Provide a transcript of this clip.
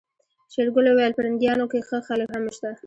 شېرګل وويل پرنګيانو کې ښه خلک هم شته.